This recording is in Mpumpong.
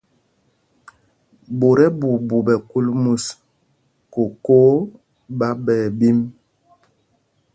Ɓot ɛɓuuɓu ɓɛ kúl mus, kokō ɓá ɓɛ ɛɓīm.